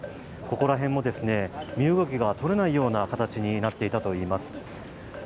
ここら辺も身動きがとれないような形になっていたといいます。